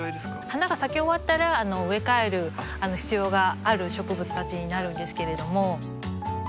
花が咲き終わったら植え替える必要がある植物たちになるんですけれども。